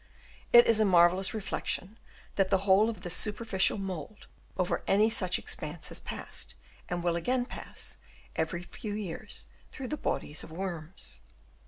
It is a mar vellous reflection that the whole of the super ficial mould over any such expanse has passed, and will again pass, every few years through the bodies of worms.